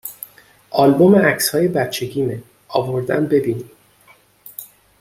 آلبوم عکسهای بچگیمه، آوردم ببینی